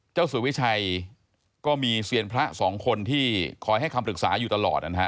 เจ้าสัววิชัยก็มีเซียนพระสองคนที่คอยให้คำศึกษาอยู่ตลอด